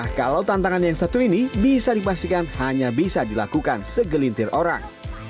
nah kalau tantangan yang satu ini bisa dipastikan hanya bisa dilakukan segelintir orang